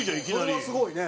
それはすごいね！